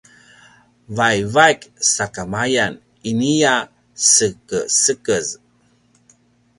vaivaik sakamaya inia sekesekez